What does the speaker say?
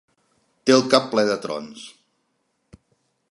Té el cap ple de trons.